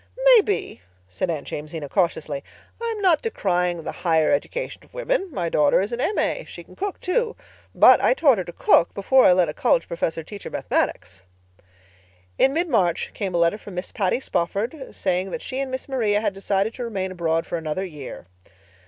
"Maybe," said Aunt Jamesina cautiously. "I am not decrying the higher education of women. My daughter is an M.A. She can cook, too. But I taught her to cook before I let a college professor teach her Mathematics." In mid March came a letter from Miss Patty Spofford, saying that she and Miss Maria had decided to remain abroad for another year.